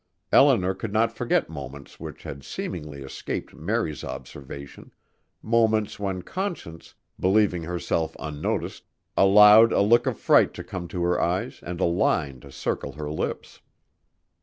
Eleanor could not forget moments which had seemingly escaped Mary's observation: moments when Conscience, believing herself unnoticed, allowed a look of fright to come to her eyes and a line to circle her lips.